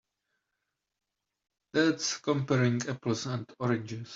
That's comparing apples and oranges.